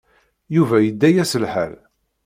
Yuba yedda-as lḥal.